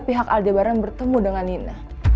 pihak aldebaran bertemu dengan nina